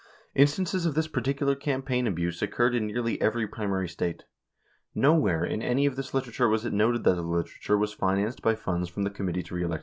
Instances of this particu lar campaign abuse occurred in nearly every primary State. No where in any of this literature w T as it noted that the literature was financed by funds from the Committee To Re Elect the President.